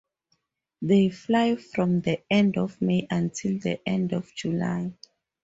They fly from the end of May until the end of July.